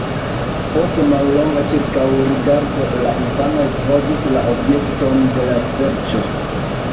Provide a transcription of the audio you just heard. Post mallonga ĉirkaŭrigardo la infanoj trovis la objekton de la serĉo.